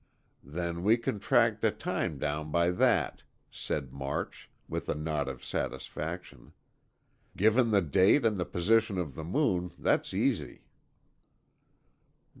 "Then we can track the time down by that," said March, with a nod of satisfaction. "Given the date and the position of the moon, that's easy."